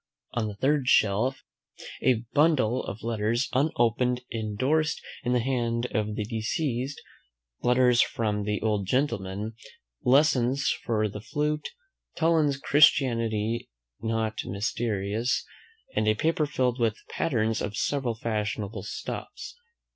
On the third shelf A bundle of letters unopened, indorsed, in the hand of the deceased, "Letters from the old Gentleman." Lessons for the flute. Toland's "Christianity not mysterious;" and a paper filled with patterns of several fashionable stuffs.